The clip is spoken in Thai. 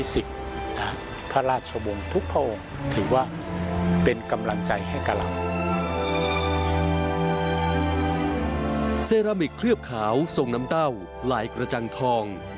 เซรามิกเคลือบขาวทรงน้ำเต้าลายกระจังทอง